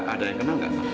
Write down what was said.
ada yang kenal gak